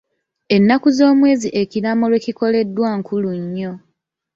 Ennaku z'omwezi ekiraamo lwe kikoleddwa nkulu nnyo.